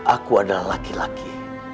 aku adalah laki laki